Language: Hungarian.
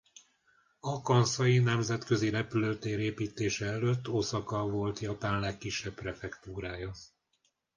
A Kanszai Nemzetközi Repülőtér építése előtt Oszaka volt Japán legkisebb prefektúrája.